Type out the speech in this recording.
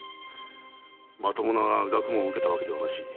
まともな学問を受けたわけではなし